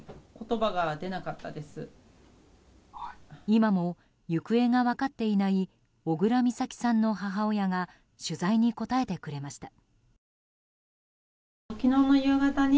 今も行方が分かっていない小倉美咲さんの母親が取材に答えてくれました。